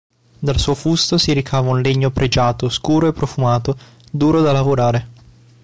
Dal suo fusto si ricava un legno pregiato, scuro e profumato, duro da lavorare.